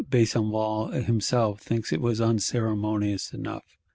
Besenval himself thinks it was unceremonious enough.